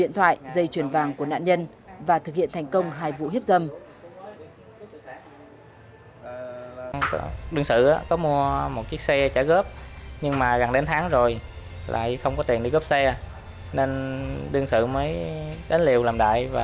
điện thoại dây chuyền vàng của nạn nhân và thực hiện thành công hai vụ hiếp dâm